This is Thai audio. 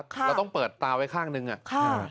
เราต้องเปิดตาไว้ข้างนึงอะ